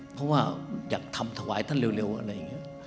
เพราะว่าอยากทำถวายท่านเร็วอะไรอย่างนี้